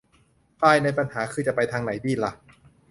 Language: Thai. ภายในปัญหาคือจะไปทางไหนดีล่ะ